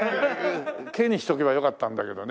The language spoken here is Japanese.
「け」にしとけばよかったんだけどね。